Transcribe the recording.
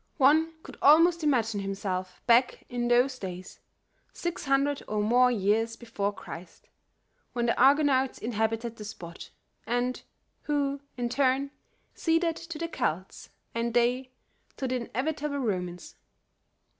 One could almost imagine himself back in those days, six hundred or more years before Christ, when the Argonauts inhabited the spot, and who, in turn, ceded to the Celts and they to the inevitable Romans.